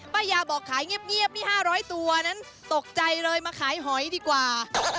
ป้ายาบอกขายเงียบนี่๕๐๐ตัวนั้นตกใจเลยมาขายหอยดีกว่า